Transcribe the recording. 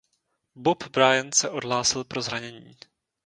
Bob Bryan se odhlásil pro zranění.